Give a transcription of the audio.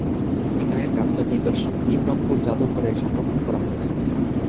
এখানে প্রাপ্ত নিদর্শন বিক্রমপুর জাদুঘরে সংরক্ষণ করা হয়েছে।